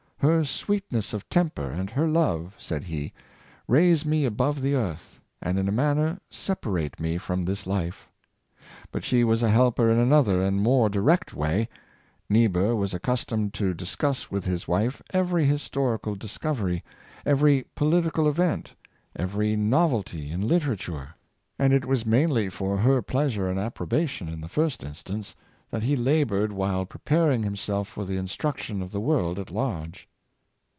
" Her sweetness of temper and her love," said he, " raise me above the earth, and in a manner separate me from this life." But she was a helper in another and more direct way. Niebuhr was accustomed to discuss with his wife every historical discovery, every political event, every novelty in liter ature; and it was mainly for her pleasure and appro bation, in the first instance, that he labored while pre paring himself for the instruction of the world at large.